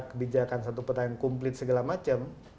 kebijakan satu peta yang kumplit segala macam